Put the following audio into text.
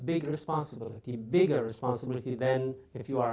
ini adalah tanggung jawab yang besar